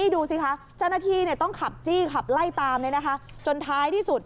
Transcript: ดูสิคะเจ้าหน้าที่ต้องขับตรงเร่งจนท้ายที่สุด